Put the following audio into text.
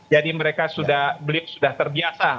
jadi mereka sudah beliau sudah terbiasa